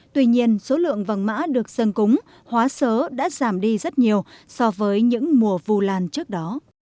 tuy nhiên số lượng vàng mã được sơn cúng hóa sớ đã giảm đi rất nhiều so với những mùa vù làn trước đó